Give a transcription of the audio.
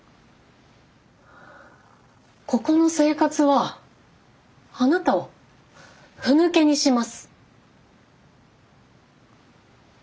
ここの生活はあなたをふぬけにします。